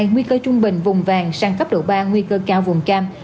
nguy cơ trung bình vùng vàng sang cấp độ ba nguy cơ cao vùng cam